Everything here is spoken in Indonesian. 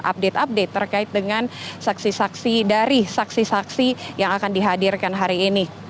update update terkait dengan saksi saksi dari saksi saksi yang akan dihadirkan hari ini